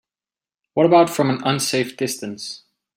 What about from an unsafe distance?